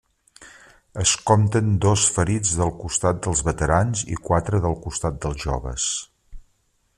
Es compten dos ferits del costat dels veterans i quatre del costat dels joves.